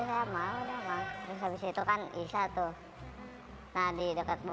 nah pas disitu kan rame tuh bakar ban